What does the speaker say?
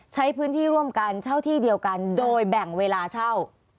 ใช้พื้นที่ร่วมกันเช่าที่เดียวกันโดยแบ่งเวลาเช่า